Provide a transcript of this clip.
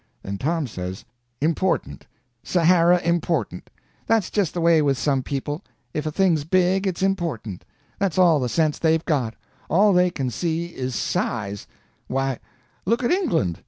Then Tom says: "Important! Sahara important! That's just the way with some people. If a thing's big, it's important. That's all the sense they've got. All they can see is size. Why, look at England.